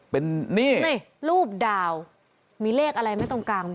เป็นนี่รูปดาวมีเลขอะไรไหมตรงกลาง